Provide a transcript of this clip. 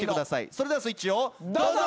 それではスイッチをどうぞ。